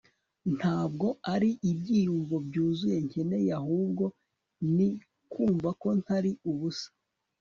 ntabwo ari ibyiyumvo byuzuye nkeneye, ahubwo ni kumva ko ntari ubusa